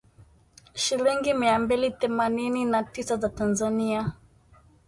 Shilingi mia mbili themanini na tisa za Tanzania